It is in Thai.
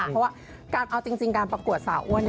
เพราะว่าเอาจริงการประกวดสาวอ้วน